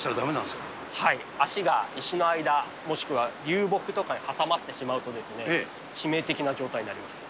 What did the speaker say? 足が石の間、もしくは流木とかに挟まってしまうとですね、致命的な状態になります。